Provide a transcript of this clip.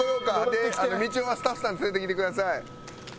でみちおはスタッフさん連れてきてください。